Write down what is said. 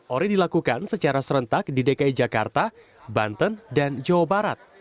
ori dilakukan secara serentak di dki jakarta banten dan jawa barat